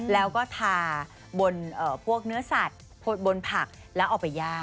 แล้วก็ทาบนพวกเนื้อสัตว์บนผักแล้วเอาไปย่าง